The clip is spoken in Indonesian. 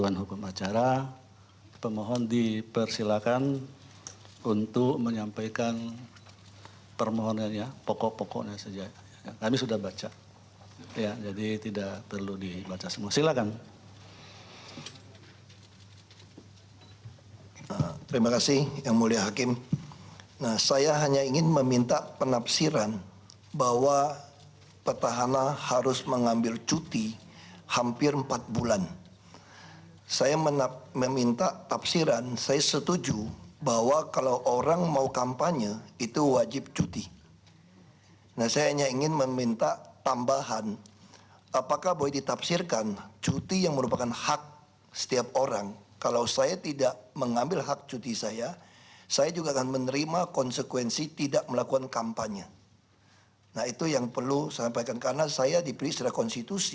nah itu yang perlu saya sampaikan karena saya diberi secara konstitusi untuk enam puluh bulan